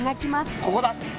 ここだ！